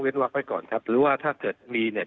เว้นวักไปก่อนครับหรือว่าถ้ามีเนี่ย